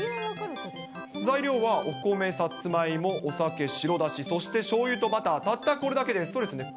材料はお米、さつまいも、お酒、白だし、そしてしょうゆとバター、たったこれだけです。